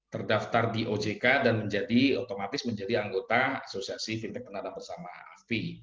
terdaftar di ojk dan otomatis menjadi anggota fintech pendanaan bersama afpi